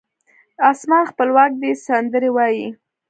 اسمان خپلواک دی سندرې وایې